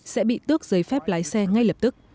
sẽ bị tước giấy phép lái xe ngay lập tức